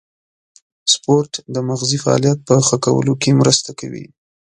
سپورت د مغزي فعالیت په ښه کولو کې مرسته کوي.